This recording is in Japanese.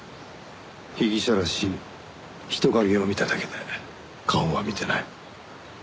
被疑者らしい人影を見ただけで顔は見てない。